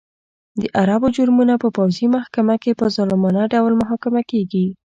د عربو جرمونه په پوځي محکمه کې په ظالمانه ډول محاکمه کېږي.